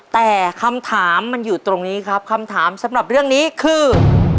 แต่คำถามมันอยู่ตรงนี้ครับคำถามสำหรับเรื่องนี้คือ